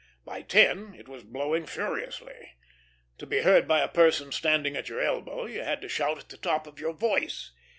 By ten it was blowing furiously. To be heard by a person standing at your elbow, you had to shout at the top of your voice.